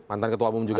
mantan ketua umum juga